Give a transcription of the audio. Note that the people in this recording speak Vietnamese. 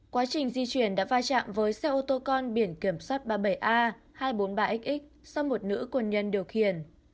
quá trình di chuyển đã va chạm với xe ô tô con biển kiểm soát ba mươi bảy a hai trăm bốn mươi ba x do một nữ quân nhân điều khiển